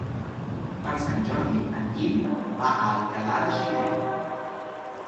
Per Sant Jordi en Guim va a Alcalà de Xivert.